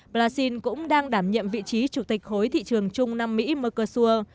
brazil cũng đang đảm nhiệm vị trí chủ tịch hối thị trường chung nam mỹ mercosur